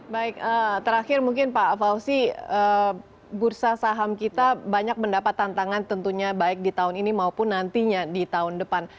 baik terakhir mungkin pak fauzi bursa saham kita banyak mendapat tantangan tentunya baik di tahun ini maupun nantinya di tahun depan